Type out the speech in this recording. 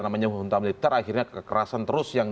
namanya hunta militer akhirnya kekerasan terus yang